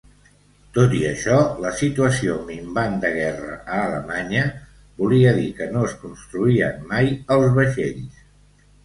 Tot i això, la situació minvant de guerra a Alemanya volia dir que no es construïen mai els vaixells.